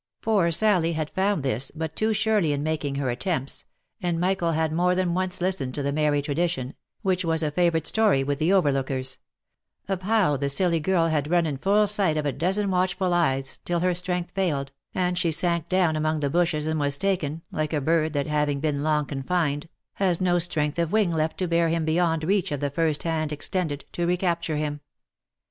Poor Sally had found this but too surely in making her attempts, and Michael had more than once listened to the merry tradition, which was a favourite story with the overlookers ; of how the silly girl had run in full sight of a dozen watchful eyes, till her strength failed, and she sank down among the bushes and was taken, like a bird that having been long confined, has no strength of wing left to bear him beyond reach of the first hand extended to recapture him.